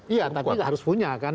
iya tapi nggak harus punya kan